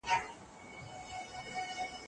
هغه د ولس د ځپلو لپاره له زوره کار اخیست.